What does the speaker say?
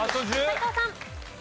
斎藤さん。